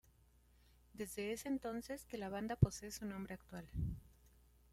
Desde ese entonces que la banda posee su nombre actual.